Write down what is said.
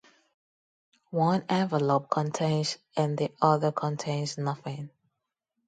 One envelope contains and the other contains nothing.